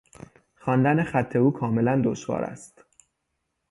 خواندن خط او کاملا دشوار است.